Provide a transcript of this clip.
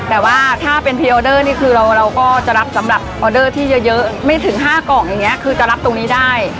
แต่ว่าถ้าเป็นพรีออเดอร์นี่คือเราก็จะรับสำหรับออเดอร์ที่เยอะไม่ถึง๕กล่องอย่างนี้คือจะรับตรงนี้ได้